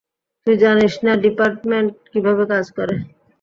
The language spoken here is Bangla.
তুই জানিস না ডিপার্টমেন্ট কিভাবে কাজ করে?